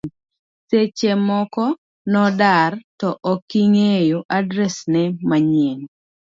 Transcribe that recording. seche moko nodar to ok ing'eyo adres ne manyien,